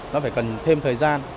nó phải cần thêm thời gian